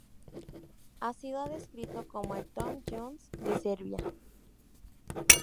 Ha sido descrito como "el Tom Jones de Serbia".